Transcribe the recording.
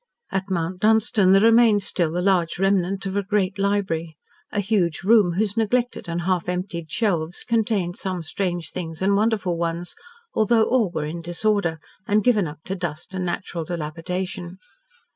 At Mount Dunstan there remained still the large remnant of a great library. A huge room whose neglected and half emptied shelves contained some strange things and wonderful ones, though all were in disorder, and given up to dust and natural dilapidation.